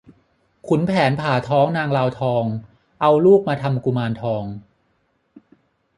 ขุนแผนผ่าท้องนางลาวทอง เอาลูกมาทำกุมารทอง